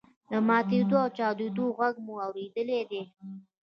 د ماتیدو او چاودلو غږ مو اوریدلی دی.